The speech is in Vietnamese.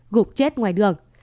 gục chết ngoài đường